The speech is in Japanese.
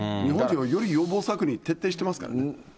日本人はより予防策に徹底してますから。